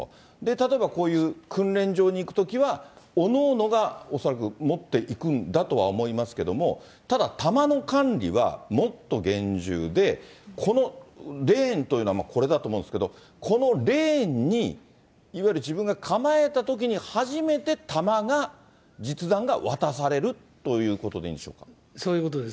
例えばこういう訓練場に行くときは、おのおのが恐らく持っていくんだとは思いますけども、ただ、弾の管理はもっと厳重で、このレーンというのは、これだと思うんですけれども、このレーンに、いわゆる自分が構えたときに初めて弾が、実弾が渡されるということでいいんでしょうか。